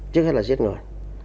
trước hết là giết người